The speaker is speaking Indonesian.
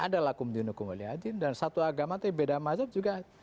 dan satu agama itu beda mazhab juga